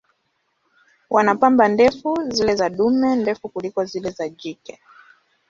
Wana pamba ndefu, zile za dume ndefu kuliko zile za jike.